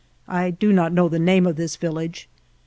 (I do not know the name of this village.)